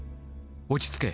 「落ち着け。